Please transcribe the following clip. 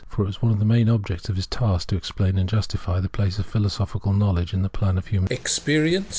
For it was one of the main objects of his task to explain and justify the place of Philoso phical Knowledge in the plan of human experience.